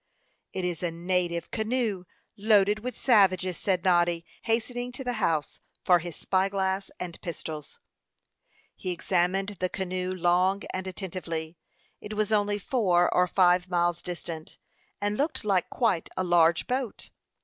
"It is a native canoe loaded with savages," said Noddy, hastening to the house for his spy glass and pistols. He examined the canoe long and attentively. It was only four or five miles distant, and looked like quite a large boat.